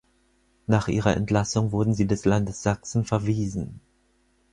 Nach ihrer Entlassung wurde sie des Landes Sachsen verwiesen.